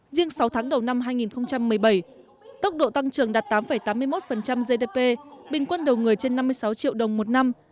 riêng sáu tháng đầu năm hai nghìn một mươi bảy tốc độ tăng trưởng đạt tám tám mươi một gdp bình quân đầu người trên năm mươi sáu triệu đồng một năm